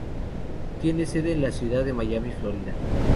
Tiene sede en la ciudad de Miami, Florida.